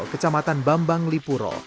kecamatan bambang lipuro